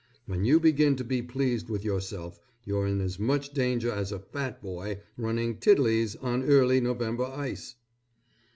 When you begin to be pleased with yourself you're in as much danger as a fat boy running tiddelies on early November ice.